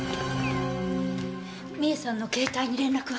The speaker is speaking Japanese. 美恵さんの携帯に連絡は？